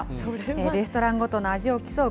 レストランごとの味を競う